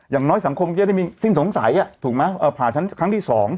อย่างน้อยสังคมจะได้มีสิ้นสงสัยถูกไหมผ่าชั้นครั้งที่๒